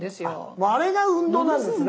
あれが運動なんですね。